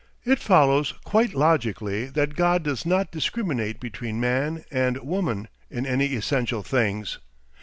It follows quite logically that God does not discriminate between man and woman in any essential things.